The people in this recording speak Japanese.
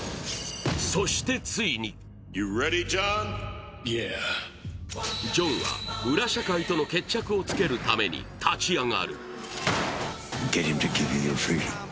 そしてついにジョンは裏社会との決着をつけるために立ち上がる。